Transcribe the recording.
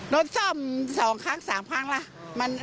รถซ่อม๒ครั้ง๓ครั้งล่ะ